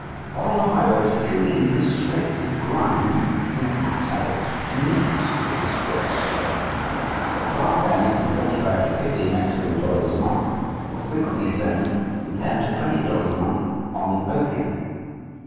Along the highroads the coolies even scrape the grime from the packsaddles to mix with this dross. The clerk earning from twenty five to fifty Mexican dollars a month will frequently spend from ten to twenty dollars a month on opium.